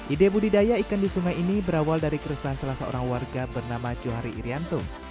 ide budidaya ikan di sungai ini berawal dari keresahan salah seorang warga bernama johari irianto